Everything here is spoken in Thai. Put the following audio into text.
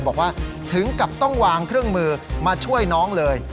บอกว่าถึงกับต้องวางเครื่องมือมาช่วยน้องเลย